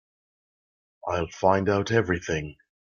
I'll find out everything.